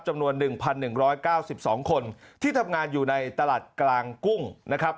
จำนวน๑๑๙๒คนที่ทำงานอยู่ในตลาดกลางกุ้งนะครับ